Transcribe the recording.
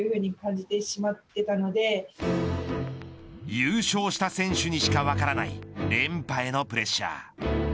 優勝した選手にしか分からない連覇へのプレッシャー。